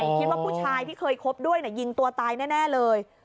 คิดว่าผู้ชายที่เคยคบด้วยยิงตัวตายแน่เลย